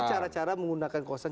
itu cara cara menggunakan kosan